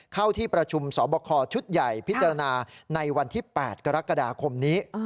เข้าที่ประชุมสอบคอชุดใหญ่พิจารณาในวันที่๘กรกฎาคมนี้